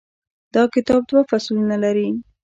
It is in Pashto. دا کتاب دوه فصلونه لري.